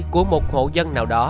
của một hộ dân nào đó